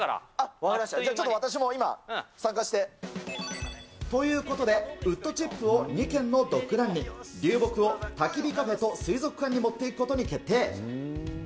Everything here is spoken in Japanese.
分かりました、ということで、ウッドチップを２軒のドッグランに、流木をたき火カフェと水族館に持っていくことに決定。